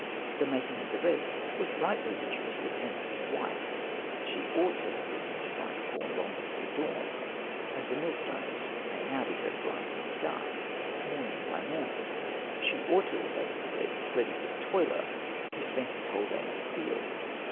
The making of the bread was rightly the duty of Anpu's wife ; she ought to have risen to grind the corn long before dawn, as the millstones may now be heard grinding in the dark, morning by morning ; she ought to have baked the bread ready for the toiler who spent his whole day in the field.